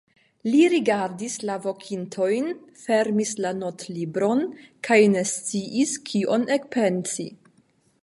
Li rigardis la vokintojn, fermis la notlibron kaj ne sciis, kion ekpensi.